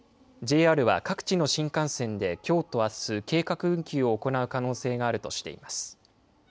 ＪＲは各地の新幹線できょうとあす、計画運休を行う可能性があるとしています。